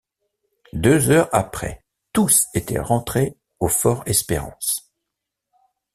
Deux heures après, tous étaient rentrés au Fort-Espérance.